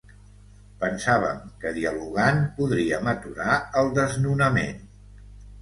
Pensàvem que dialogant podríem aturar el desnonament.